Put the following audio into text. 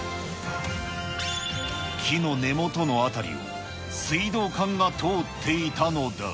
木の根元の辺りを水道管が通っていたのだ。